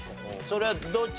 それはどっち？